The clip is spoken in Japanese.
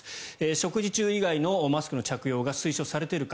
食事中以外のマスクの着用が推奨されているか。